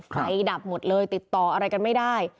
ดับหมดเลยติดต่ออะไรกันไม่ได้